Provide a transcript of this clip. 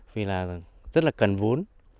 vì là rất là cần vốn